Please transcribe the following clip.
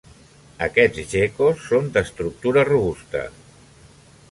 Aquests geckos són d'estructura robusta.